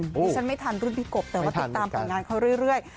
ดิฉันไม่ทันรุ่นพี่กบแต่ว่าติดตามผลงานเขาเรื่อย